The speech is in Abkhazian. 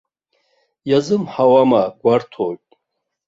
Иазымҳауама гәарҭоит.